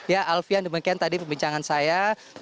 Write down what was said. ya alfian demikian tadi perbincangan saya